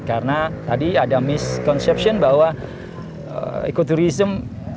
karena tadi ada misconception bahwa ekoturism adalah